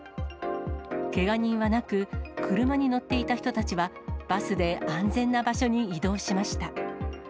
けが人はなく、車に乗っていた人たちは、バスで安全な場所に移動しました。